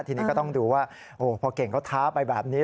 ทีนี้ก็ต้องดูว่าพอเก่งเขาท้าไปแบบนี้